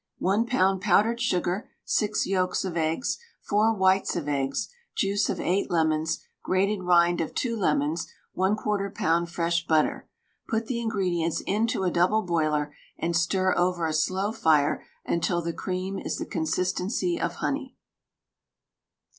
1 lb. powdered sugar, 6 yolks of eggs, 4 whites of eggs, juice of 8 lemons, grated rind of 2 lemons, 1/4 lb. fresh butter. Put the ingredients into a double boiler and stir over a slow fire until the cream is the consistency of honey.